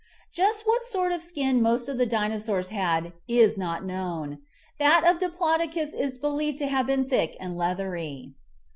Just what sort of skin most of the Dinosaurs had is not known. That of Diplodocus is believed to have been thick and leathery.